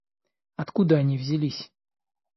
Откуда они взялись?